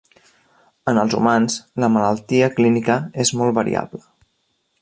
En els humans, la malaltia clínica és molt variable.